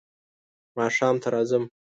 ماښام ته راځم .